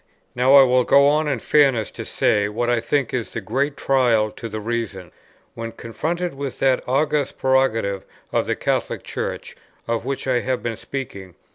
Now I will go on in fairness to say what I think is the great trial to the Reason, when confronted with that august prerogative of the Catholic Church, of which I have been speaking.